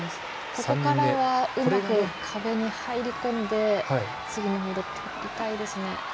ここからはうまく壁に入り込んで次のムーブに入りたいですね。